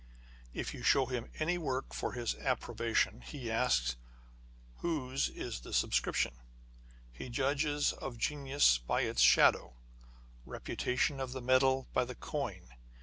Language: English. If you show him any work for his approbation, he asks, " Whose is the superscription ?" â€" He judges of genius by its shadow, reputation â€" of the metal by the coin.